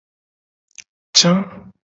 Ca.